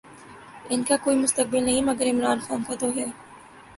ان کا کوئی مستقبل نہیں، مگر عمران خان کا تو ہے۔